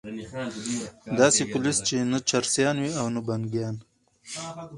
داسي پولیس چې نه چرسیان وي او نه بنګیان